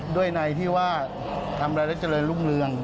ด้วยในที่ว่าทำอะไรแล้วเจริญรุ่งเรือง